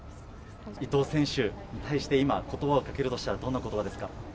伊藤選手に対して今、言葉をかけるとしたら、どんな言葉ですか？